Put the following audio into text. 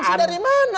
asumsi dari mana